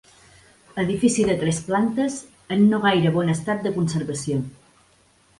Edifici de tres plantes en no gaire, bon estat de conservació.